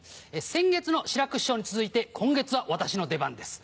先月の志らく師匠に続いて今月は私の出番です。